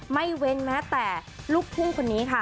ไม่เว้นแม้แต่ลูกทุ่งคนนี้ค่ะ